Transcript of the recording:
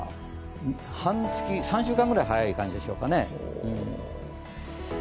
半月、３週間ぐらい早い感じですかね。